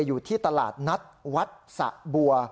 อยู่ที่ตลาดนัดวัดสะบัว